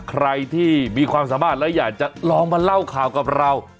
ใครที่มีความสามารถและอยากจะลองมาเล่าข่าวกับเรา